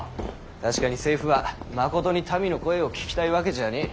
確かに政府はまことに民の声を聞きたいわけじゃねぇ。